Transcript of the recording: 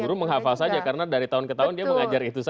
guru menghafal saja karena dari tahun ke tahun dia mengajar itu saja